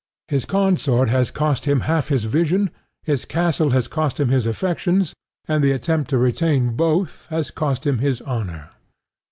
His consort has cost him half his vision; his castle has cost him his affections; and the attempt to retain both has cost him his honor.